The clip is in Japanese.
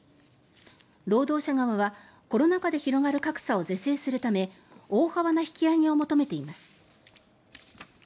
労働者側はコロナ禍で広がる格差を是正するため大幅な引き上げを求めています。